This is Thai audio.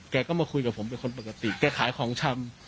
แกก็มาคุยกับผมเป็นคนปกติแกขายของชำ